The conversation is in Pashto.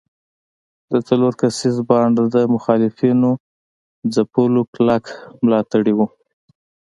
د څلور کسیز بانډ د مخالفینو ځپلو کلک ملاتړي وو.